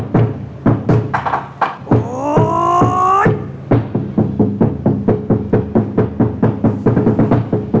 แต่ไม่รู้เสียเวลาแซมก็เริ่มยาก